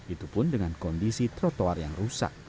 itu pun dengan kondisi trotoar yang rusak